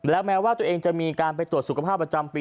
แม้ว่าตัวเองจะมีการไปตรวจสุขภาพประจำปี